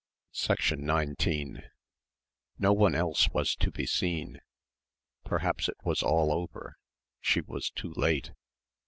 19 No one else was to be seen. Perhaps it was all over. She was too late.